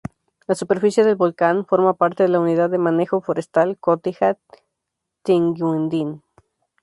La superficie del volcán forma parte de la unidad de manejo forestal Cotija-Tingüindín.